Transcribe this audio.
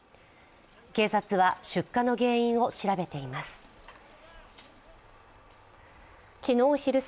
警察は出火の原因を調べています。